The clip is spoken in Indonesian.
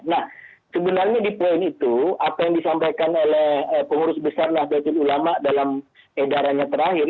nah sebenarnya di poin itu apa yang disampaikan oleh pengurus besar nahdlatul ulama dalam edarannya terakhir